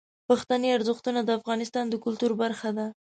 پښتني ارزښتونه د افغانستان د کلتور برخه ده.